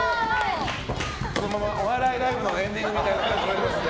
このままお笑いライブのエンディングみたいな感じで。